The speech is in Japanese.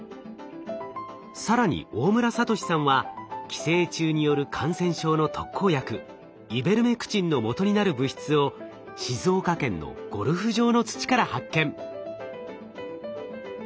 更に大村智さんは寄生虫による感染症の特効薬イベルメクチンのもとになる物質を静岡県のゴルフ場の土から発見。